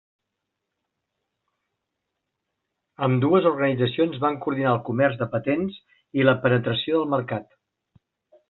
Ambdues organitzacions van coordinar el comerç de patents i la penetració del mercat.